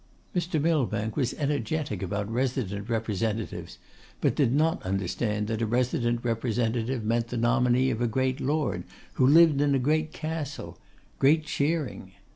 Mr. Millbank was energetic about resident representatives, but did not understand that a resident representative meant the nominee of a great Lord, who lived in a great castle; great cheering.